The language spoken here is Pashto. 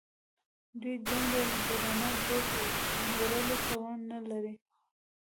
دوی د دومره درانه بوج وړلو توان نه لري.